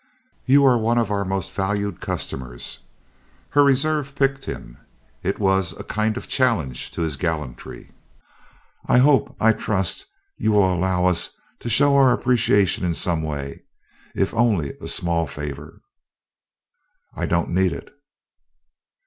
"You are one of our most valued customers." Her reserve piqued him; it was a kind of challenge to his gallantry. "I hope I trust you will allow us to show our appreciation in some way if only a small favor." "I don't need it."